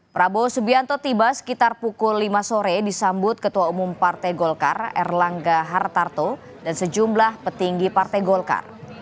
prabowo subianto tiba sekitar pukul lima sore disambut ketua umum partai golkar erlangga hartarto dan sejumlah petinggi partai golkar